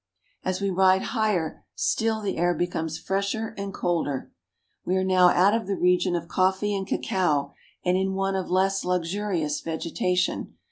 As we ride higher still the air becomes fresher and colder. We are now out of the region of coffee and cacao, and in one of less luxurious vegetation.